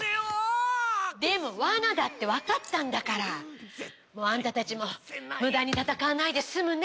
でも罠だってわかったんだからもうあんたたちも無駄に戦わないで済むね。